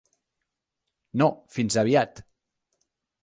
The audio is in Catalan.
No, fins aviat.